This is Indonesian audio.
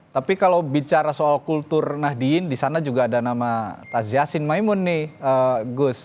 tapi kalau bicara soal kultur nahdien di sana juga ada nama tazi yassin maimun nih gus